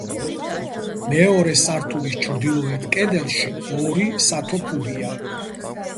მეორე სართულის ჩრდილოეთ კედელში ორი სათოფურია.